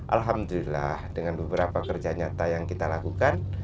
alhamdulillah dengan beberapa kerja nyata yang kita lakukan